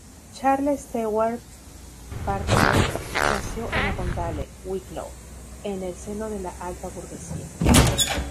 Charles Stewart Parnell nació en Avondale, Wicklow, en el seno de la alta burguesía.